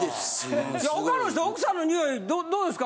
他の人奥さんの匂いどうですか？